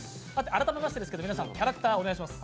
改めまして、皆さんキャラクターをお願いします。